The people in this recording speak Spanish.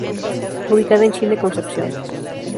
Ubicada en Chile, Concepción.